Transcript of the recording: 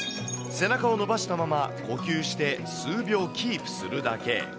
背中を伸ばしたまま、呼吸して、数秒キープするだけ。